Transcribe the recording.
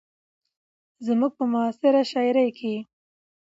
زموږ په معاصره شاعرۍ کې